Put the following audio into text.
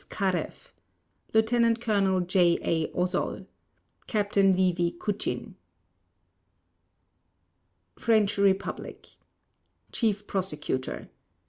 Karev Lieutenant Colonel J. A. Ozol Captain V. V. Kuchin French Republic CHIEF PROSECUTOR: M.